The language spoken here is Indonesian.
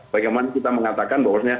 bagaimana kita mengatakan bahwasannya